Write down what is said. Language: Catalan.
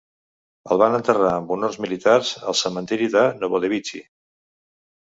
El van enterrar amb honors militars al cementiri de Novodevichy.